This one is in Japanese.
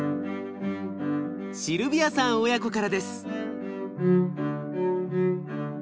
シルビアさん親子からです。